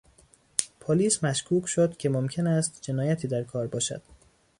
پلیس مشکوک شد که ممکن است جنایتی در کار باشد.